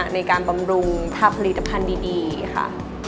บำรุงทำผลิตภัณฑ์ดีค่ะ